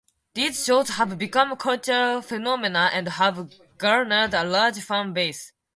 These shows have become cultural phenomena and have garnered a large fan base.